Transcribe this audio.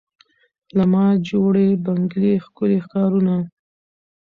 له ما جوړي بنګلې ښکلي ښارونه